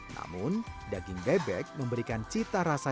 namun daging bebek memberikan cita rasa yang hangat